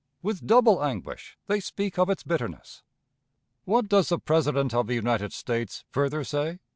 With double anguish they speak of its bitterness. What does the President of the United States further say?